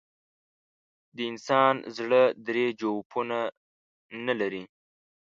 د انسان زړه درې جوفونه نه لري.